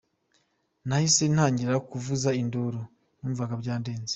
Nahise ntangira kuvuza induru, numvaga byandenze.